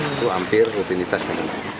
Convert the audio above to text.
itu hampir rutinitasnya